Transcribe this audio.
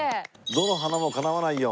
どの花もかなわないよ